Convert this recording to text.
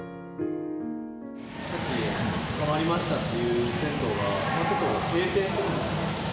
さっき、ハマりましたっていう銭湯が、もうちょっとで閉店するんですが。